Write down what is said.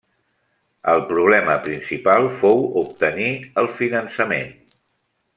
El problema principal fou obtenir el finançament.